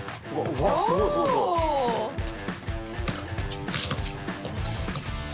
うわっすごいすごいすごい。